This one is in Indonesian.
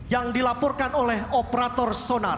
yang dilaporkan oleh operator sonar